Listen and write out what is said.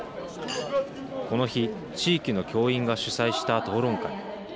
この日地域の教員が主催した討論会。